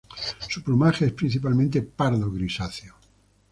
Su plumaje es principalmente pardo grisáceo.